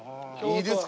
いいですか？